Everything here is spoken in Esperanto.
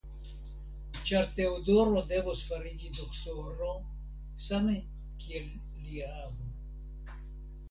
Ĉar Teodoro devos fariĝi doktoro, same kiel lia avo.